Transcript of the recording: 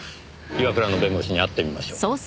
岩倉の弁護士に会ってみましょう。